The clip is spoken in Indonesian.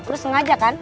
lo sengaja kan